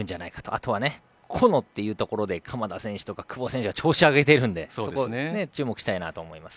あとは個というところで鎌田選手や久保選手が力を上げているのでそこに注目したいなと思います。